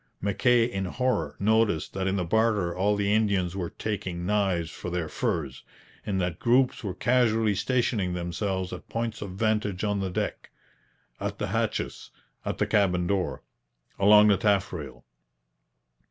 Mackay in horror noticed that in the barter all the Indians were taking knives for their furs, and that groups were casually stationing themselves at points of vantage on the deck at the hatches, at the cabin door, along the taffrail.